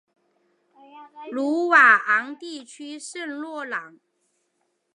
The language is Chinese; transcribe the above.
鲁瓦昂地区圣洛朗。